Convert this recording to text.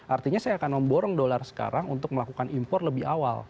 artinya saya akan memborong dolar sekarang untuk melakukan impor lebih awal